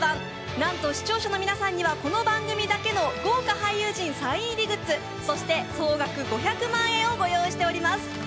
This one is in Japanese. なんと視聴者の皆さんにはこの番組だけの豪華俳優陣サイン入りグッズ、そして、総額５００万円をご用意しております。